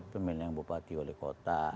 pemilihan bupati oleh kota